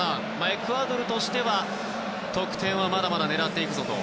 エクアドルとしては得点はまだまだ狙っていくぞと。